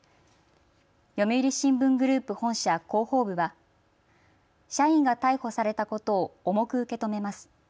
読売新聞グループ本社広報部は社員が逮捕されたことを重く受け止めます。